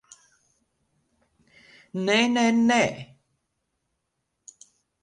Nē, nē, nē!